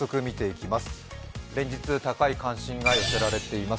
連日、高い関心が寄せられています